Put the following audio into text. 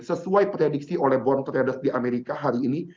sesuai prediksi oleh bon traders di amerika hari ini